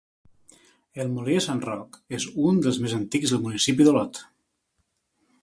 El molí de Sant Roc és un dels més antics del municipi d'Olot.